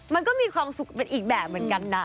มันก็มีความสุขเป็นอีกแบบเหมือนกันนะ